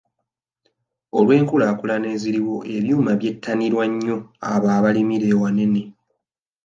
Olw'enkulaakulana eziriwo ebyuma byettanirwa nnyo abo abalimira awanene.